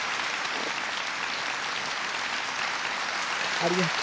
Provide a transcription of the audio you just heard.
ありがとう。